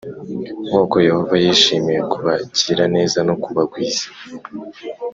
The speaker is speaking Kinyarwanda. “Nk’uko Yehova yishimiye kubagirira neza no kubagwiza,